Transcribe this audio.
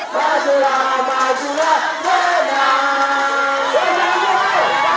majulah majulah menang